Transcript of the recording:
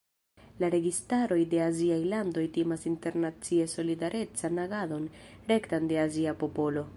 La registaroj de aziaj landoj timas internacie solidarecan agadon rektan de azia popolo.